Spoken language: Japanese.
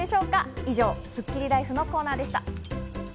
以上、スッキリＬＩＦＥのコーナーでした。